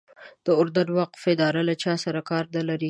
د اردن وقف اداره له چا سره کار نه لري.